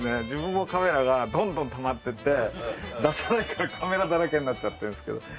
自分もカメラがどんどんたまってって出さないからカメラだらけになっちゃってるんですけど。